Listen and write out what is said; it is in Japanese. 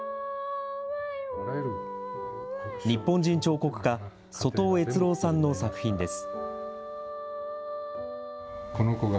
日本人彫刻家、外尾悦郎さんの作品です。